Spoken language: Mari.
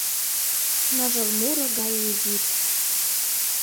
Ныжыл муро гае йӱд.